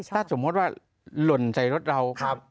ถ้าสมมุติว่าหล่นใส่รถเรา